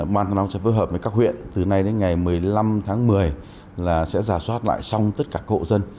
ban thăng long sẽ phối hợp với các huyện từ nay đến ngày một mươi năm tháng một mươi là sẽ giả soát lại xong tất cả cộ dân